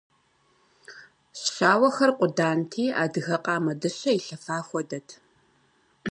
Щауэхэр къуданти, адыгэ къамэ дыщэ илъэфа хуэдэт.